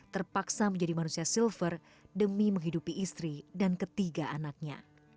terpaksa menjadi manusia silver demi menghidupi istri dan ketiga anaknya